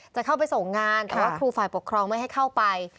จะเข้าไปส่งงานแต่ว่าครูฝ่ายปกครองไม่ให้เข้าไป